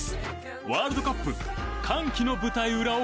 ワールドカップ歓喜の舞台裏を語る。